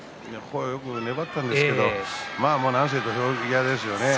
よく粘ったんですけれどもなんせ土俵際ですよね